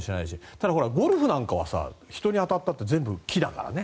ただ、ゴルフなんかは人に当たったって全部木だからね。